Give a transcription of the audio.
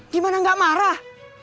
gimana gak marah